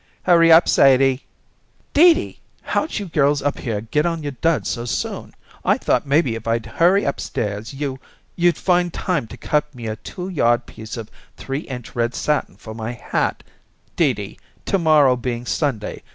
"Hurry up, Sadie." "Dee Dee! How'd you girls up here get on your duds so soon? I thought maybe if I'd hurry upstairs you you'd find time to cut me a two yard piece of three inch red satin for my hat, Dee Dee to morrow being Sunday.